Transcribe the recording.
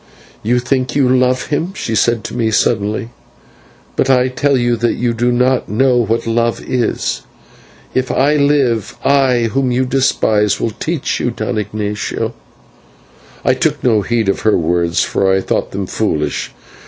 "You think you love him," she said to me suddenly, "but I tell you that you do not know what love is. If I live, I, whom you despise, will teach you, Don Ignatio." I took no heed of her words, for I thought them foolish.